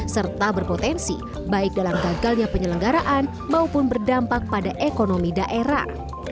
serta berpotensi baik dalam gagalnya penyelenggaraan maupun berdampak pada ekonomi daerah